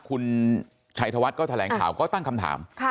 คุณชัยธวัฒน์ก็แถลงข่าวก็ตั้งคำถาม